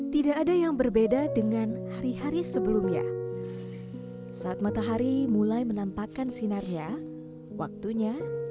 tidak ada yang berbeda dengan hari hari sebelumnya saat matahari mulai menampakkan sinarnya waktunya